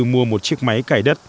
mua một chiếc máy cải đất